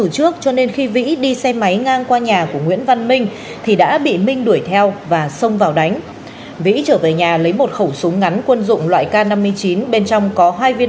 cho nên đã tiến hành dựng xe bảy chỗ có biểu hiện nghi vấn